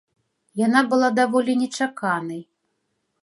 Яна была даволі нечаканай.